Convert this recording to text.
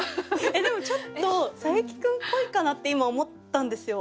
でもちょっとサエキ君っぽいかなって今思ったんですよ。